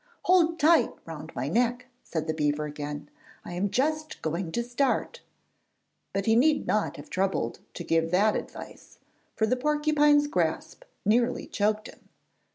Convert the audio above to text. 'Hold tight round my neck,' said the beaver again; 'I am just going to start.' But he need not have troubled to give that advice, for the porcupine's grasp nearly choked him.